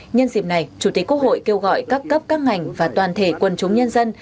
nhân dịp này chủ tịch quốc hội kêu gọi các cấp các ngành và toàn thể quần chúng nhân dân